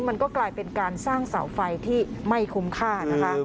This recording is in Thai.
มันก็กลายเป็นการสร้างเสาไฟที่ไม่คุ้มค่านะคะ